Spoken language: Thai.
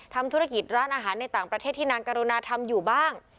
ทำธุรกิจร้านอาหารในต่างประเทศที่นางกรุณาทำอยู่บ้าง